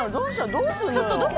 どうするの？